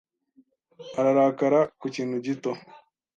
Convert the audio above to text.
Ararakara ku kintu gito.